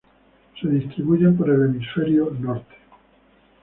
Se distribuyen por el hemisferio norte.